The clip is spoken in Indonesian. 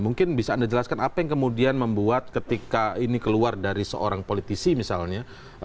mungkin bisa anda jelaskan apa yang kemudian membuat ketika ini keluar dari seorang politisi misalnya